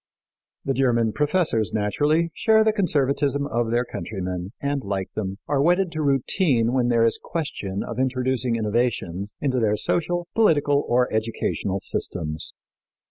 The German professors, naturally, share the conservatism of their countrymen, and, like them, are wedded to routine when there is question of introducing innovations into their social, political or educational systems.